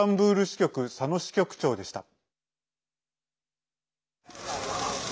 支局佐野支局長でした。